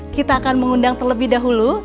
kita akan mengundang terlebih dahulu